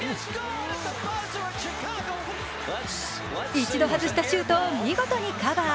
１度外したシュートを見事にカバー